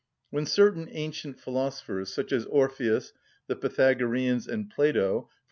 When certain ancient philosophers, such as Orpheus, the Pythagoreans, and Plato (_e.